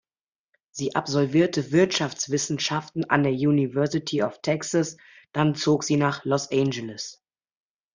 Sie absolvierte Wirtschaftswissenschaften an der University of Texas, dann zog sie nach Los Angeles.